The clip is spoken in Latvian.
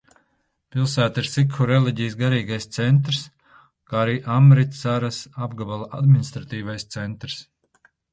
Pilsēta ir sikhu reliģijas garīgais centrs, kā arī Amritsaras apgabala administratīvais centrs.